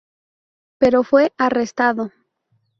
Pero fue arrestado.